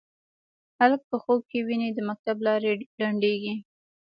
هلک په خوب کې ویني د مکتب لارې لنډیږې